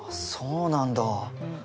そうなんだ。